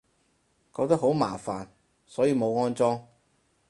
覺得好麻煩，所以冇安裝